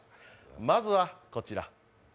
まずは、こちら。